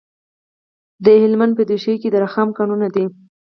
د هلمند په دیشو کې د رخام کانونه دي.